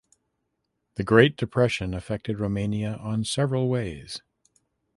The Great Depression affected Romania on several ways.